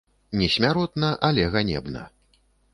Не смяротна, але ганебна.